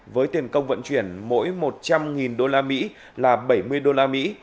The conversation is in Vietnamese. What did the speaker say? với tiền công vận chuyển mỗi một trăm linh đô la mỹ là bảy mươi đô la mỹ